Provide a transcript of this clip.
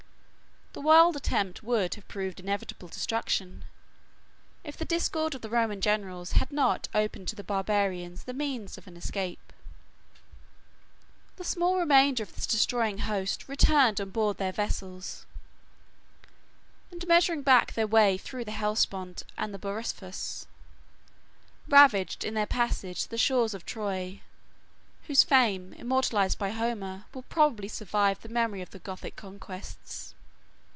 The wild attempt would have proved inevitable destruction, if the discord of the Roman generals had not opened to the barbarians the means of an escape. 125 The small remainder of this destroying host returned on board their vessels; and measuring back their way through the Hellespont and the Bosphorus, ravaged in their passage the shores of Troy, whose fame, immortalized by Homer, will probably survive the memory of the Gothic conquests.